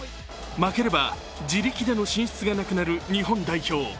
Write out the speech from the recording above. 負ければ自力での進出がなくなる日本代表。